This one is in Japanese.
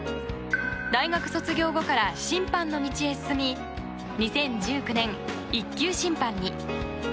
大学卒業後から審判の道へ進み２０１９年、１級審判員に。